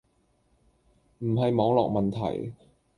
唔係網絡問題